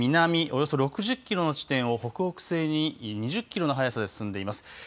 およそ６０キロの地点を北北西に２０キロの速さで進んでいます。